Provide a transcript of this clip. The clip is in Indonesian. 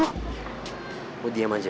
oh diam aja